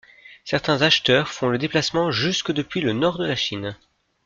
Certains acheteurs font le déplacement jusque depuis le Nord de la Chine.